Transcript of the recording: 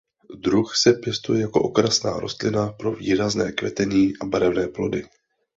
Druh se pěstuje jako okrasná rostlina pro výrazné kvetení a barevné plody.